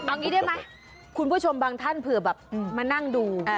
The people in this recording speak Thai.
เอางี้ได้ไหมคุณผู้ชมบางท่านเผื่อแบบมานั่งดู